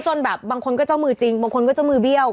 จนแบบบางคนก็เจ้ามือจริงบางคนก็เจ้ามือเบี้ยว